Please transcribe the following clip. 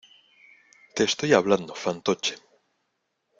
te estoy hablando, fantoche.